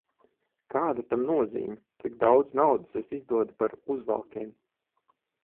Kāda tam nozīme, cik daudz naudas es izdodu par uzvalkiem?